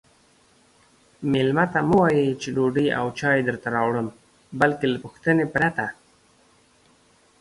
میلمه ته مه وایئ چې ډوډۍ او چای درته راوړم بلکې له پوښتنې پرته